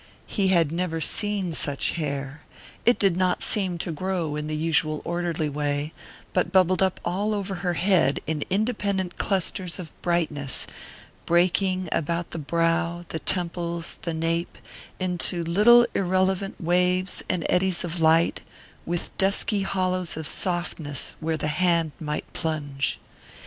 He had never seen such hair it did not seem to grow in the usual orderly way, but bubbled up all over her head in independent clusters of brightness, breaking, about the brow, the temples, the nape, into little irrelevant waves and eddies of light, with dusky hollows of softness where the hand might plunge.